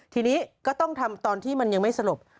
ทีนี้ก็ต้องทำตอนที่มันยังไม่สลบ